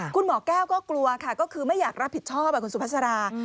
คุณหมอแก้วก็กลัวค่ะก็คือไม่อยากรับผิดชอบคุณสุภาษา